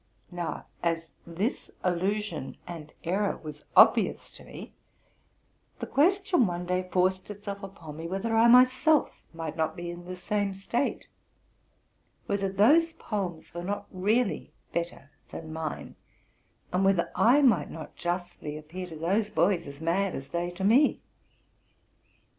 Now, as this illusion and error was obvious to me, the question one day forced itself upon me, whether I myself might not be in the same state, whether those poems were not really better than mine, and whether I might not justly appear to those boys as mad as they to me?